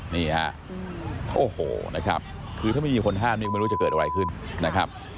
นี่ฮะโอ้โหนะครับคือถ้าไม่มีคนห้ามนี่ก็ไม่รู้จะเกิดอะไรขึ้นนะครับ